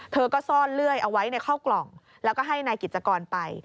เธอก็ซ่อนเลื่อยเอาไว้ในเข้ากล่องแล้วก็ให้นายกิจกรไป